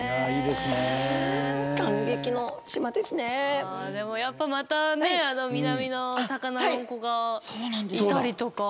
でもやっぱまたね南の魚の子がいたりとか。